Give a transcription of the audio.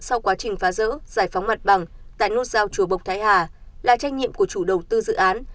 sau quá trình phá rỡ giải phóng mặt bằng tại nút giao chùa bộc thái hà là trách nhiệm của chủ đầu tư dự án